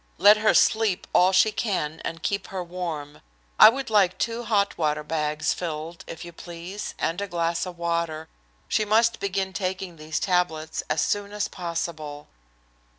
Let her sleep all she can and keep her warm. I would like two hot water bags filled, if you please, and a glass of water. She must begin taking these tablets as soon as possible."